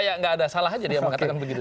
ini salah saja dia mengatakan begitu